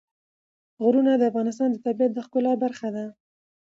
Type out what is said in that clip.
غرونه د افغانستان د طبیعت د ښکلا برخه ده.